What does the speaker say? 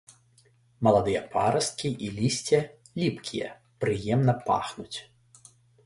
Маладыя парасткі і лісце ліпкія, прыемна пахнуць.